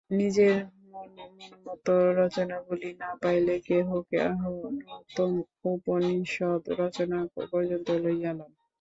নিজের মনোমত রচনাবলী না পাইলে কেহ কেহ নূতন উপনিষদ রচনা পর্যন্ত করিয়া লন।